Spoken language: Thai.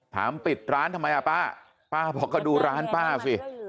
ปิดร้านทำไมอ่ะป้าป้าบอกก็ดูร้านป้าสิ